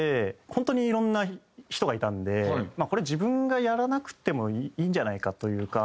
本当にいろんな人がいたんでこれ自分がやらなくてもいいんじゃないかというか。